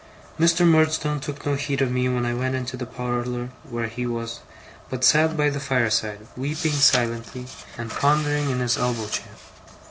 Mr. Murdstone took no heed of me when I went into the parlour where he was, but sat by the fireside, weeping silently, and pondering in his elbow chair.